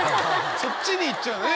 そっちにいっちゃうのね。